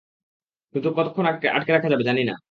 কিন্তু কতক্ষণ আটকে রাখা যাবে, জানি না।